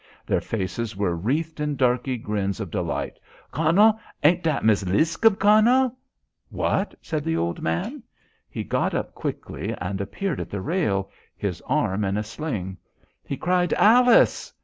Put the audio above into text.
Their faces were wreathed in darkey grins of delight. "Kunnel, ain't dat Mis' Liscum, Kunnel?" "What?" said the old man. He got up quickly and appeared at the rail, his arm in a sling. He cried, "Alice!"